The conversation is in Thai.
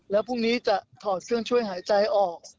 แล้วพรุ่งนี้จะถอดเครื่องช่วยหายใจออก